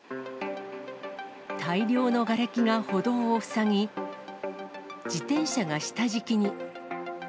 大量のがれきが歩道を塞ぎ、自転車が下敷きに。